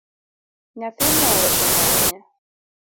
Nyathini ohero thum ahinya